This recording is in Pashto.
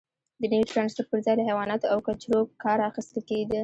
د نوي ټرانسپورت پرځای له حیواناتو او کچرو کار اخیستل کېده.